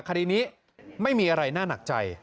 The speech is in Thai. คดีนี้ไม่มีอะไรน่าหนักใจ